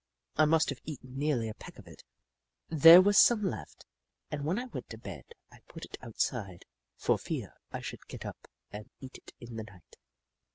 I must have eaten nearly a peck of it. There was some left, and when I went to bed I put it outside, for fear I should get up and eat it in the night.